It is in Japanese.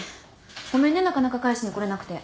ごめんねなかなか返しに来れなくて。